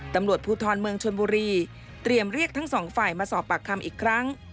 ตำรวจภูทรเมืองชนบุรีเตรียมเรียกทั้งสองฝ่ายมาสอบปากคำอีกครั้ง